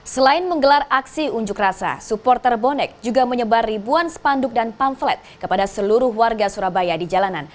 selain menggelar aksi unjuk rasa supporter bonek juga menyebar ribuan spanduk dan pamflet kepada seluruh warga surabaya di jalanan